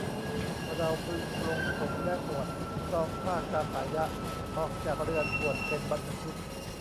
เราพึงปลงผมและหนวดครองผ้ากาสายะ ออกจากเรือนบวชเป็นบรรพชิต